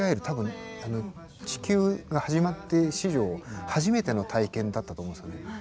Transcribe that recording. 多分地球が始まって史上初めての体験だったと思うんですよね。